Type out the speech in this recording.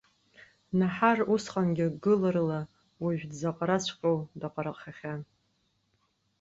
Наҳар усҟангьы гыларыла уажә дзаҟараҵәҟьоу даҟарахахьан.